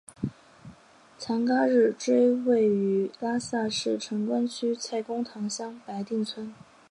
强嘎日追位于拉萨市城关区蔡公堂乡白定村。